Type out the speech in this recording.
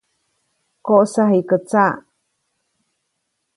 ‒¡Koʼsa jikä tsaʼ!‒.